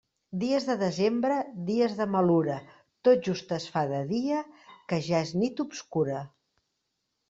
Dies de desembre, dies de malura, tot just es fa de dia que ja és nit obscura.